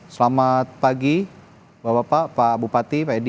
selamat pagi bapak pak bupati pak edi